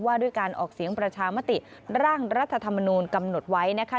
ว่าด้วยการออกเสียงประชามติร่างรัฐธรรมนูลกำหนดไว้นะคะ